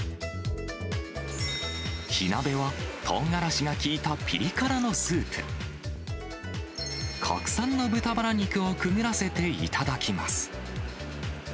火鍋は、とうがらしが効いたピリ辛のスープ、国産の豚ばら肉をくぐらせて頂きます。